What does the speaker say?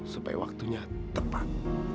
supaya waktunya tepat